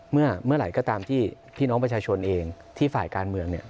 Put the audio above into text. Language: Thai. เมื่อไหร่ก็ตามที่พี่น้องประชาชนเองที่ฝ่ายการเมืองเนี่ย